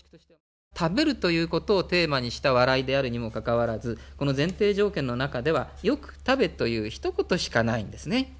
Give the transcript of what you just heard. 食べるということをテーマにした笑いであるにもかかわらずこの前提条件の中では「よく食べ」という一言しかないんですね。